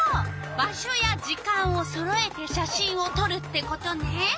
場所や時間をそろえて写真をとるってことね。